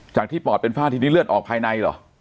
จากที่ปอดเป็นฝ้าทีนี้เลือดออกภายในเหรอ